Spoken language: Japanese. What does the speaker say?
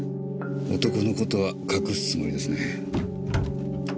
男の事は隠すつもりですね。